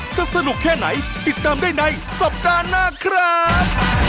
สนุกแค่ไหนติดตามได้ในสัปดาห์หน้าครับ